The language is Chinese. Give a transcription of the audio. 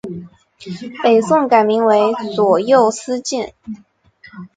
北宋改名为左右司谏。